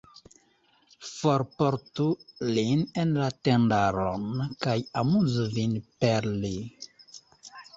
Forportu lin en la tendaron, kaj amuzu vin per li.